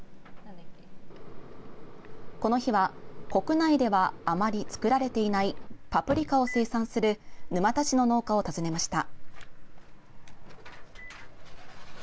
この日は国内ではあまり作られていないパプリカを生産する沼田市の農家を訪ねました。